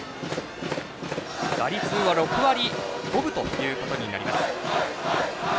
打率は６割５分ということになります。